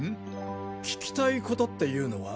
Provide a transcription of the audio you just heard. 聞きたいことっていうのは？